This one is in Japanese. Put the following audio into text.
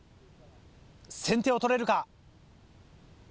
先手を取れるか？